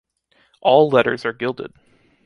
All letters are gilded.